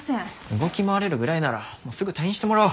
動き回れるぐらいならすぐ退院してもらおう。